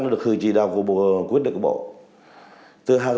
nó được khởi trị đạo của quyết định của bộ